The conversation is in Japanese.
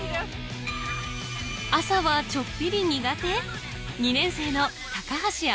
朝はちょっぴり苦手？